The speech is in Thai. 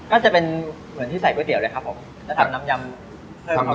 ก็จะเป็นเหมือนที่ใส่ก๋วเตี๋ยเลยครับผมจะทำน้ำยำเพิ่มเขา